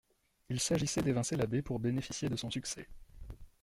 Il s'agissait d'évincer l'abbé pour bénéficier de son succès.